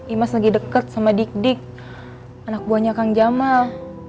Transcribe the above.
imas lagi dekat sama dik dik anak buahnya kang jamal